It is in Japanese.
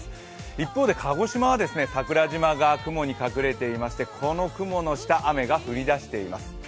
一方で鹿児島は桜島が雲に隠れていましてこの雲の下、雨が降り出しています